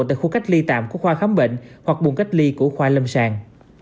tại khu cách ly tạm của khoa khám bệnh hoặc buồn cách ly của khoa lâm sàng